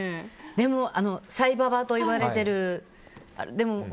でも、サイババといわれてる。